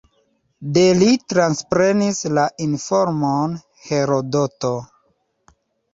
De li transprenis la informon Herodoto.